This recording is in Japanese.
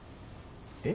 えっ？